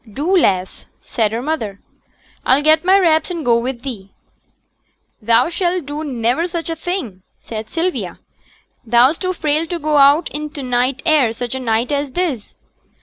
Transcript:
'Do, lass,' said her mother. 'I'll get my wraps and go with thee.' 'Thou shall do niver such a thing,' said Sylvia. 'Thou's too frail to go out i' t' night air such a night as this.'